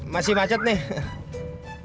masih macet nih